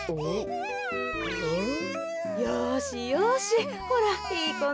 よしよしほらいいこね。